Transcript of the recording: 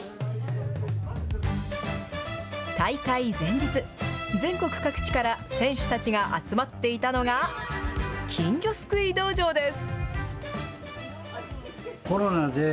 大会前日、全国各地から選手たちが集まっていたのが、金魚すくい道場です。